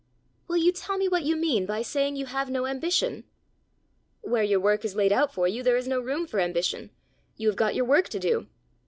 "Will you tell me what you mean by saying you have no ambition?" "Where your work is laid out for you, there is no room for ambition: you have got your work to do!